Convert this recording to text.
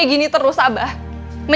jantungnya apa umi